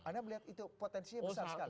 anda melihat itu potensinya besar sekali